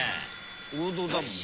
王道だもんな。